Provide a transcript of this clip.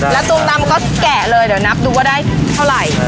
แล้วตูมดำก็แกะเลยเดี๋ยวนับดูว่าได้เท่าไหร่